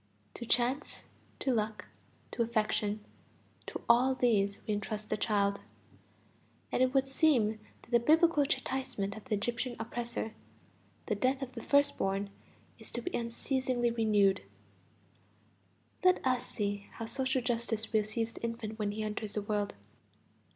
To chance, to luck, to affection, to all these we entrust the child; and it would seem that the Biblical chastisement of the Egyptian oppressor, the death of the first born, is to be unceasingly renewed. Let us see how social justice receives the infant when he enters the world.